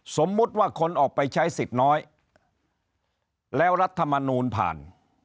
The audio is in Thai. สมมุติว่าคนออกไปใช้สิทธิ์น้อยแล้วรัฐมนูลผ่าน